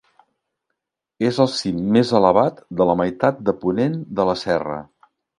És el cim més elevat de la meitat de ponent de la serra.